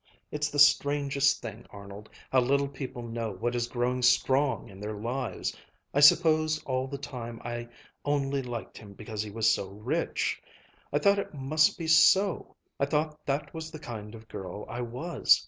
It's the strangest thing, Arnold, how little people know what is growing strong in their lives! I supposed all the time I only liked him because he was so rich. I thought it must be so. I thought that was the kind of girl I was.